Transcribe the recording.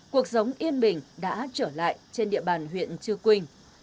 cuộc sống yên bình đã trở lại trên địa bàn huyện chư quynh